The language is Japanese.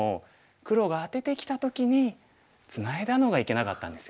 黒がアテてきた時にツナいだのがいけなかったんですよね。